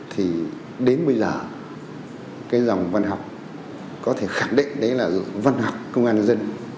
thì đến bây giờ dòng văn học có thể khẳng định là văn học công an nhân dân